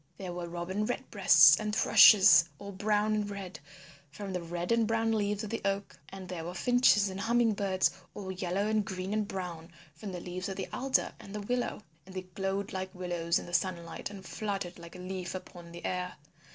There were Robin Red breasts and Thrushes all brown and red, from the red and brown leaves of the Oak. And there were Finches and Humming birds all yellow and green and brown from the leaves of the Alder and the Willow, and they glowed like willows in the sunlight and fluttered like a leaf upon the air.